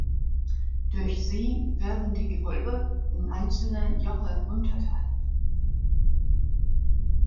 Durch sie werden die Gewölbe in einzelne Joche unterteilt.